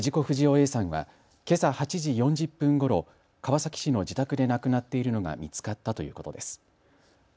不二雄Ａさんはけさ８時４０分ごろ、川崎市の自宅で亡くなっているのが見つかったということです。